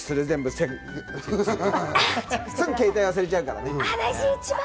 すぐ携帯、忘れちゃうからね。